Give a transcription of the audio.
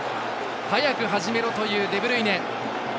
早く始めろというデブルイネ。